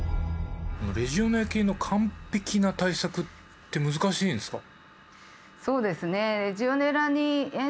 レジオネラ菌の完璧な対策って難しいんですか？